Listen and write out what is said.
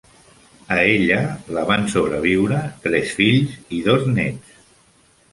A ella la van sobreviure tres fills i dos nets.